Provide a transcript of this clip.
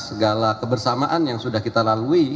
segala kebersamaan yang sudah kita lalui